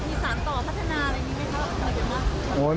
มีสารต่อพัฒนาอะไรอย่างนี้ไหมคะ